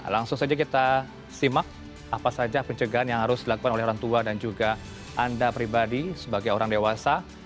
langsung saja kita simak apa saja pencegahan yang harus dilakukan oleh orang tua dan juga anda pribadi sebagai orang dewasa